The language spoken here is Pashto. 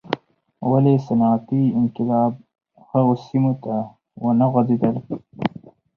ولې صنعتي انقلاب هغو سیمو ته ونه غځېدل.